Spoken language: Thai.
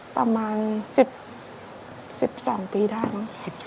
ประมาณ๑๐๑๓ปีได้